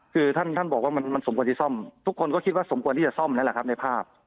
คือท่านท่านบอกว่ามันสมควรที่ซ่อมทุกคนก็คิดว่าสมควรที่จะซ่อมแล้วแหละครับในภาพ